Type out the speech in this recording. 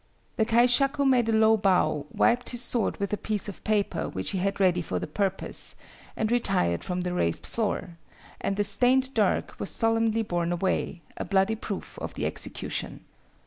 "The kaishaku made a low bow, wiped his sword with a piece of paper which he had ready for the purpose, and retired from the raised floor; and the stained dirk was solemnly borne away, a bloody proof of the execution.